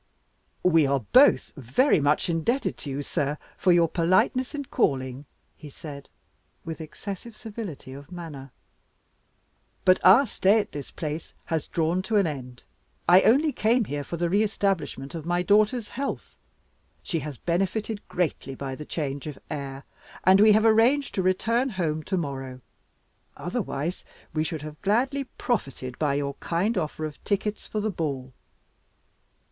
"We are both very much indebted to you, sir, for your politeness in calling," he said, with excessive civility of manner. "But our stay at this place has drawn to an end. I only came here for the re establishment of my daughter's health. She has benefited greatly by the change of air, and we have arranged to return home to morrow. Otherwise, we should have gladly profited by your kind offer of tickets for the ball."